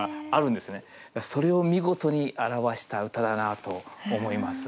それを見事に表した歌だなと思います。